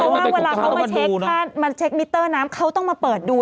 เวลาเขามาเช็กมิเตอร์น้ำเขาต้องมาเปิดดู